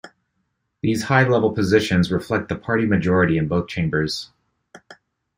These high level positions reflect the party majority in both chambers.